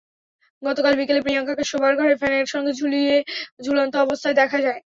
গতকাল বিকেলে প্রিয়াঙ্কাকে শোবার ঘরে ফ্যানের সঙ্গে ঝুলন্ত অবস্থায় দেখা যায়।